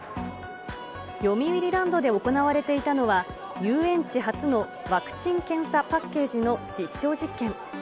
よみうりランドで行われていたのは、遊園地初のワクチン・検査パッケージの実証実験。